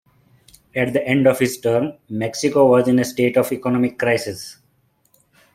At the end of his term, Mexico was in a state of economic crisis.